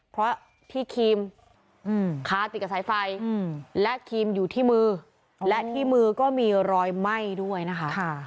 เพราะที่ครีมคาติดกับสายไฟและครีมอยู่ที่มือและที่มือก็มีรอยไหม้ด้วยนะคะ